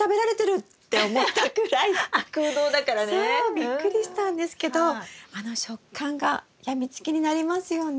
びっくりしたんですけどあの食感が病みつきになりますよね。